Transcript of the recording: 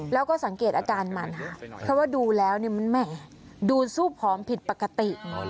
แล้วก็สังเกตอาการมันค่ะเพราะว่าดูแล้วมันแหมดูสู้ผอมผิดปกติ